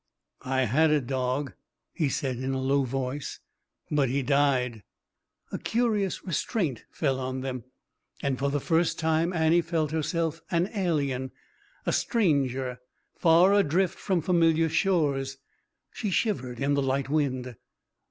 "I had a dog," he said in a low voice, "but he died." A curious restraint fell on them, and for the first time Annie felt herself an alien, a stranger, far adrift from familiar shores. She shivered in the light wind.